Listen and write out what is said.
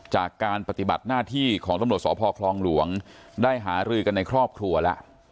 จากการปฏิบัติหน้าที่ของตำรวจสพคลองหลวงได้หารือกันในครอบครัวแล้ว